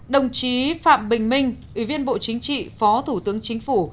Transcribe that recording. đồng chí phạm bình minh ủy viên bộ chính trị phó thủ tướng chính phủ